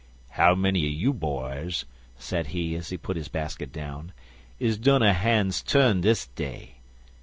"How many er you boys," said he, as he put his basket down, "is done a han's turn dis day?